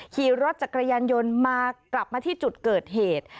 ขี่รถจักรยานยนต์มากลับมาที่จุดเกิดเหตุ